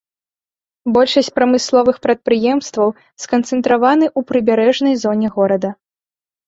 Большасць прамысловых прадпрыемстваў сканцэнтраваны ў прыбярэжнай зоне горада.